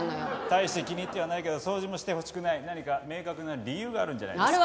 大して気に入ってはないけど掃除もしてほしくない何か明確な理由があるんじゃないですか？